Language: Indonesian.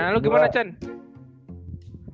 nah lu gimana chen